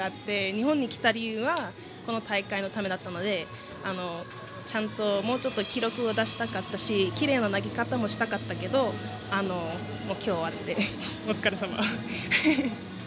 日本に来た理由はこの大会のためだったのでもうちょっと記録を出したかったしきれいな投げ方もしたかったけど今日、終わってお疲れさまでした。